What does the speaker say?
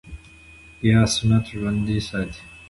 ياد سنت ژوندی ساتي